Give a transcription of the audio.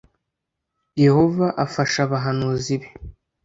yehova afasha abahanuzi be.